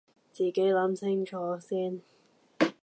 自己諗清楚先